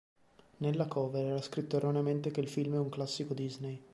Nella cover era scritto erroneamente che il film è un Classico Disney.